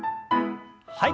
はい。